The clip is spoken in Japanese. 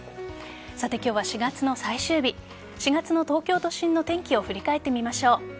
さて、今日は４月の最終日４月の東京都心の天気を振り返ってみましょう。